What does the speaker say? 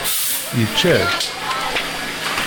Yečča-t?